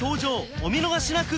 お見逃しなく！